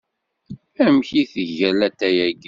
Amek it-ga latay agi?